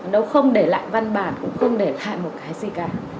nếu không để lại văn bản cũng không để lại một cái gì cả